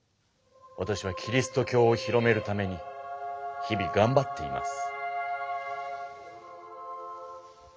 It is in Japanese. わたしはキリスト教を広めるために日々がんばっています。